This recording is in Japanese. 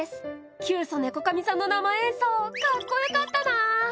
キュウソネコカミさんの生演奏かっこよかったな。